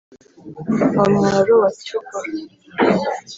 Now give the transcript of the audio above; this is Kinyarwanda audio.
wa mwaro wa cyokora.